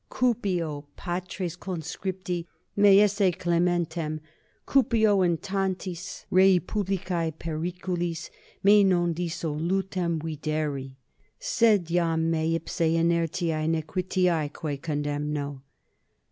Cupio, patres conscripti, me esse clementem, cupio in tantis rei publicae periculis me non dissolutum videri, sed iam me ipse inertiae nequitiaeque condemno.